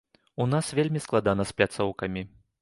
У нас вельмі складана з пляцоўкамі.